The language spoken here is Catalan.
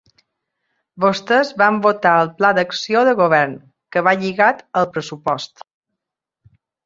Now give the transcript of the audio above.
Vostès van votar el pla d’acció de govern, que va lligat al pressupost.